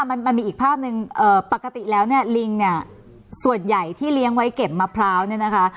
มันมันมีอีกภาพหนึ่งเอ่อปกติแล้วเนี่ยลิงเนี่ยส่วนใหญ่ที่เลี้ยงไว้เก็บมะพร้าวเนี่ยนะคะ